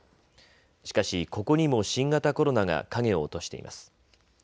しかし、ここにも新型コロナが影を落としています。